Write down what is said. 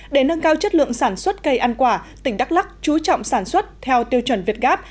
để nâng cao chất lượng sản xuất cây ăn quả tỉnh đắk lắc chú trọng sản xuất theo tiêu chuẩn việt gáp